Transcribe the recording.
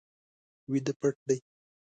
ویده پټ دی